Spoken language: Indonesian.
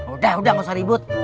udah udah gak usah ribut